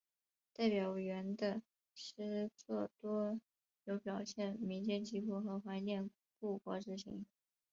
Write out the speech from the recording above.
戴表元的诗作多有表现民间疾苦和怀念故国之情。